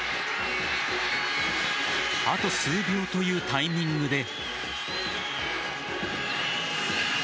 あと数秒というタイミングで。